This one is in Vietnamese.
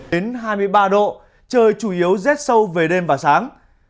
đến hai mươi ba độ trời chủ yếu rét sâu về đêm và sáng